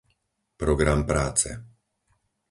Program práce